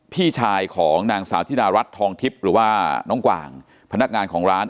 พี่ชายของนางสาวธิดารัฐทองทิพย์หรือว่าน้องกวางพนักงานของร้าน